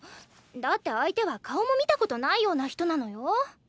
だって相手は顔も見たことないような人なのよ！